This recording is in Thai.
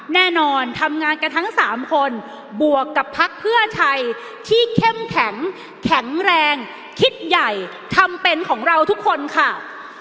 แน่นอนทำงานกันทั้ง๓คนบวกกับพักเพื่อไทยที่เข้มแข็งแข็งแรงคิดใหญ่ทำเป็นของเราทุกคนค่ะ